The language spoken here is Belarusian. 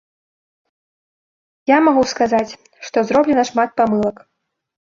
Я магу сказаць, што зроблена шмат памылак.